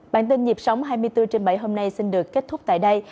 bản tin nhịp sống hai mươi bốn trên bảy hôm nay xin được kết thúc tại đây